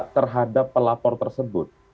terhadap pelapor tersebut